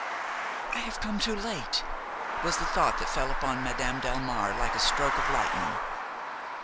"I have come too late!" was the thought that fell upon Madame Delmare like a stroke of lightning.